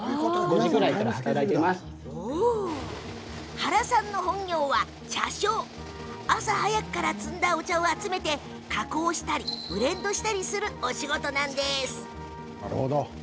原さんの本業は茶匠朝早くに摘んだお茶を集めて加工したりブレンドしたりするお仕事。